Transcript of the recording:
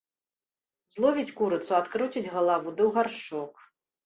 Зловіць курыцу, адкруціць галаву ды ў гаршчок.